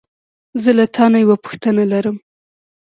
زه له تا نه یوه پوښتنه لرم.